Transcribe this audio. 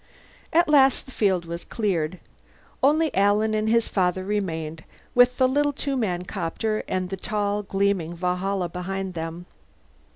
At last the field was cleared. Only Alan and his father remained, with the little two man copter and the tall gleaming Valhalla behind them.